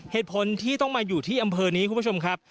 เหตุผลที่ต้องมาอยู่ที่อำเภอนี้คุณผู้ชมครับ